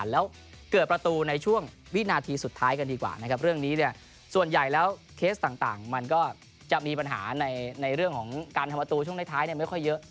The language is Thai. แล้วเกิดประตูในช่วงวินาทีสุดท้ายกันดีกว่านะครับเรื่องนี้เนี่ยส่วนใหญ่แล้วเคสต่างมันก็จะมีปัญหาในเรื่องของการทำประตูช่วงท้ายไม่ค่อยเยอะ